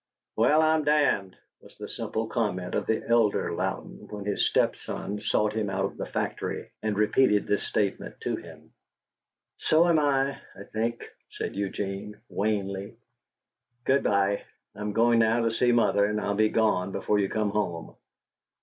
"Well, I'm damned!" was the simple comment of the elder Louden when his step son sought him out at the factory and repeated this statement to him. "So am I, I think," said Eugene, wanly. "Good bye. I'm going now to see mother, but I'll be gone before you come home."